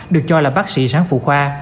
được cho là bác sĩ sáng phụ khoa